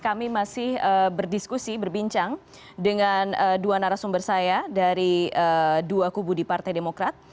kami masih berdiskusi berbincang dengan dua narasumber saya dari dua kubu di partai demokrat